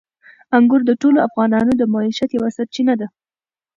انګور د ټولو افغانانو د معیشت یوه سرچینه ده.